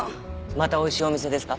また美味しいお店ですか？